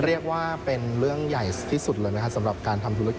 เรียกว่าเป็นเรื่องใหญ่ที่สุดสำหรับทำธุรกิจ